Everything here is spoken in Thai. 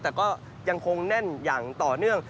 แต่ก็ยังคงแน่นอย่างต่อเนื่อง